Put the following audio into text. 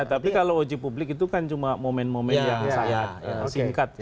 tapi kalau uji publik itu kan cuma momen momen yang sangat singkat ya